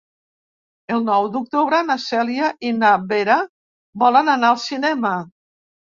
El nou d'octubre na Cèlia i na Vera volen anar al cinema.